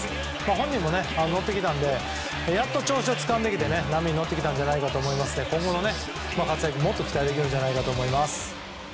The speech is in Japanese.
本人も乗ってきたのでやっと調子をつかんできて波に乗ってきたと思うので今後の活躍もっと期待できると思います。